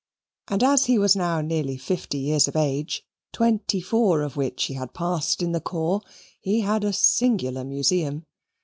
And as he was now nearly fifty years of age, twenty four of which he had passed in the corps, he had a singular museum.